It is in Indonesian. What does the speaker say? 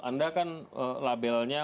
anda kan labelnya